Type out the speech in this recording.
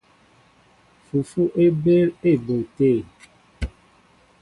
Fufu é ɓéél á éɓóʼ te.